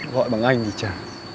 gọi bằng anh thì trả